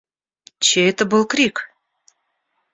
Чей это был крик?